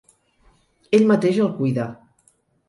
Ell mateix el cuida.